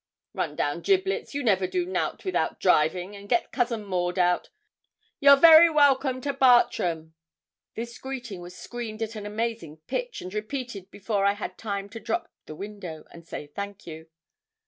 'Run down, Giblets, you never do nout without driving, and let Cousin Maud out. You're very welcome to Bartram.' This greeting was screamed at an amazing pitch, and repeated before I had time to drop the window, and say 'thank you.'